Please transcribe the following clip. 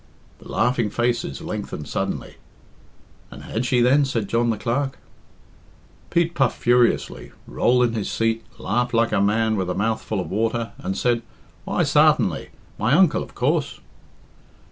The laughing faces lengthened suddenly. "And had she, then," said John the Clerk. Pete puffed furiously, rolled in his seat, laughed like a man with a mouth full of water, and said, "Why, sartenly my uncle, of coorse."